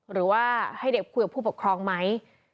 หรือว่าให้เด็กคุยกับผู้ปกครองไหม